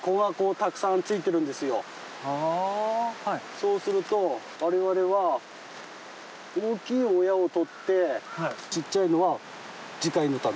そうすると我々は大きい親を採ってちっちゃいのは次回のために置いていくと。